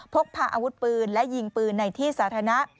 พกพาอาวุธปืนและยิงปืนในที่สาธารณะ